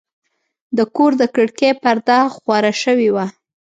د کور د کړکۍ پرده خواره شوې وه.